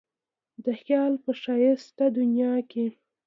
د خیال په ښایسته دنیا کې.